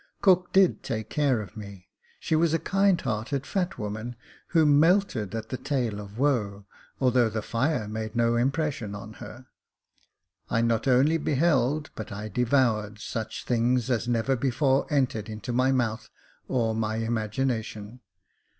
Cook did take care of me j she was a kind hearted, fat woman, who melted at a tale of woe, although the fire made no impression on her. I not only beheld, but I devoured, such things as never before entered into my mouth or my imagination.